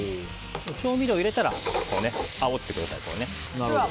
調味料を入れたらあおってください。